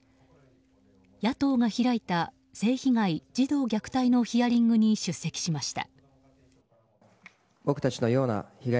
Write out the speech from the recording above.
野党が開いた性被害・児童虐待のヒアリングに出席しました。